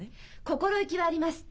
「心意気」はあります。